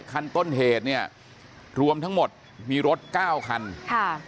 คันต้นเหตุเนี่ยรวมทั้งหมดมีรถเก้าคันค่ะ